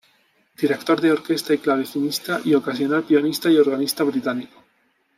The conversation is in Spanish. Director de orquesta y clavecinista, y ocasional pianista y organista británico.